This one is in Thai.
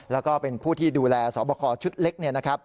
แล้วก็เป็นผู้ที่ดูแลสอบคอชุดเล็ก